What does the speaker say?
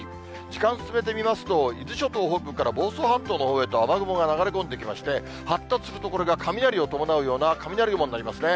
時間進めてみますと、伊豆諸島北部から房総半島のほうへと雨雲が流れ込んできまして、発達すると、これが雷を伴うような雷雲になりますね。